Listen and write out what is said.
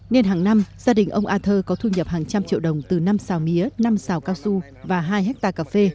nên hàng năm gia đình ông a thơ có thu nhập hàng trăm triệu đồng từ năm xào mía năm xào cao su và hai hectare cà phê